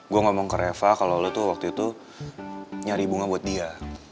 gue ngomong ke reva kalau lo tuh waktu itu nyari bunga buat dia